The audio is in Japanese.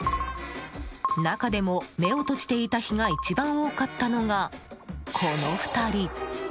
中でも、目を閉じていた日が一番多かったのがこの２人。